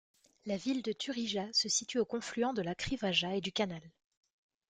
La ville de Turija se situe au confluent de la Krivaja et du canal.